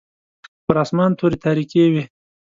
پر اسمان توري تاریکې وې.